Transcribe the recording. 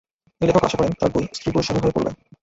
এই লেখক আশা করেন, তাঁর বই স্ত্রীপুরুষ সমভাবে পড়বে।